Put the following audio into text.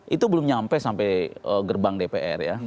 itu belum nyampe sampai gerbang dpr ya